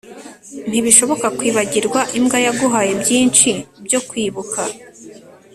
ntibishoboka kwibagirwa imbwa yaguhaye byinshi byo kwibuka